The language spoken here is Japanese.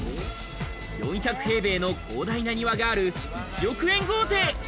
４００平米の広大な庭がある１億円豪邸。